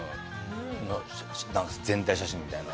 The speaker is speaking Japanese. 全体写真みたいな。